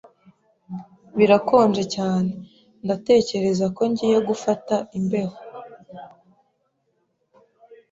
Birakonje cyane. Ndatekereza ko ngiye gufata imbeho.